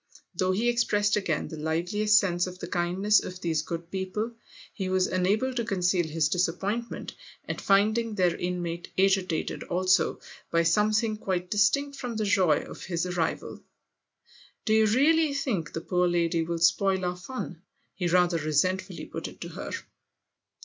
Though he ex pressed again the liveliest sense of the kindness of these good people, he was unable to conceal his disappointment at finding their inmate agitated also by something quite distinct from the joy of his arrival. "Do you really think the poor lady will spoil our fun ?" he rather resentfully put it to her.